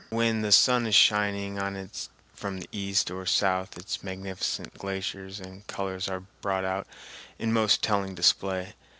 When the sun is shining on it from the east or south its magnificent glaciers and colors are brought out in most telling display.